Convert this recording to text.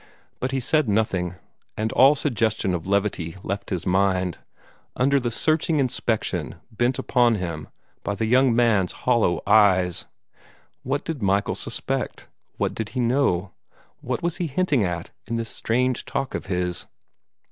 But he said nothing, and all suggestion of levity left his mind, under the searching inspection bent upon him by the young man's hollow eyes. What did Michael suspect? What did he know? What was he hinting at, in this strange talk of his?